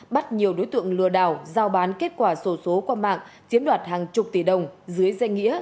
bắt nhiều đối tượng lừa đảo giao bán kết quả sổ số qua mạng chiếm đoạt hàng chục tỷ đồng dưới danh nghĩa